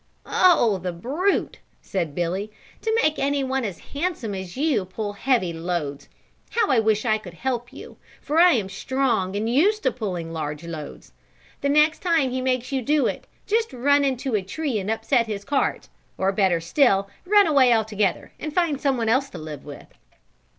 "Oh, the brute," said Billy, "to make anyone as handsome as you pull heavy loads. How I wish I could help you, for I am strong and used to pulling large loads. The next time he makes you do it just run into a tree and upset his cart, or better still, run away altogether and find someone else to live with."